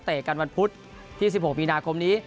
กันวันพุธที่๑๖มีนาคมนี้